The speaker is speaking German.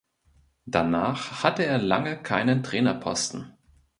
Danach hatte er lange keinen Trainerposten.